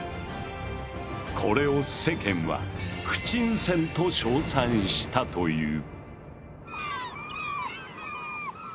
これを世間は「不沈船」と称賛したという。